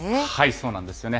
そうなんですよね。